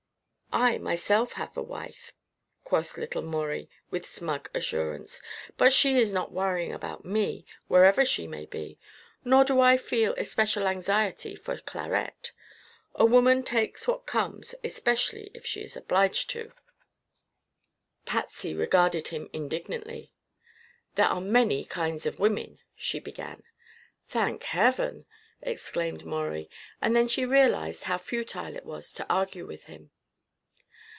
"I, myself, have a wife," quoth little Maurie, with smug assurance, "but she is not worrying about me, wherever she may be; nor do I feel especial anxiety for Clarette. A woman takes what comes especially if she is obliged to." Patsy regarded him indignantly. "There are many kinds of women," she began. "Thank heaven!" exclaimed Maurie, and then she realized how futile it was to argue with him.